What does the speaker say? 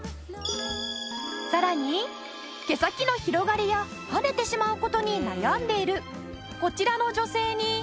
さらに毛先の広がりやはねてしまう事に悩んでいるこちらの女性に。